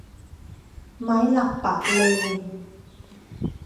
ไม้หลักปักเลน